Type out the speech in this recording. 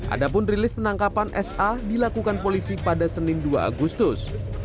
adapun rilis penangkapan sa dilakukan polisi pada senin dua agustus